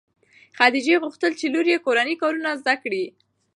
خدیجې غوښتل چې لور یې کورني کارونه زده کړي.